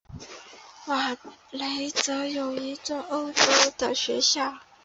瓦雷泽有一座欧洲学校。